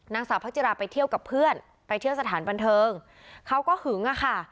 นางสาวพระจิราไปเที่ยวกับเพื่อนไปเที่ยวสถานบันเทิงเขาก็หึงอะค่ะ